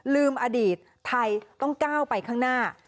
อดีตไทยต้องก้าวไปข้างหน้า